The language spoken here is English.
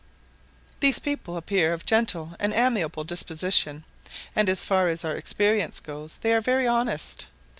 These people appear of gentle and amiable dispositions; and, as far as our experience goes, they are very honest.